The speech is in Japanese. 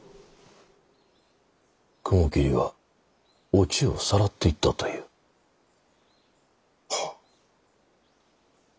雲霧はお千代をさらっていったという。はあ。